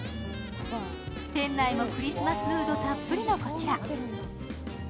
店内もクリスマスムードたっぷりのこちら。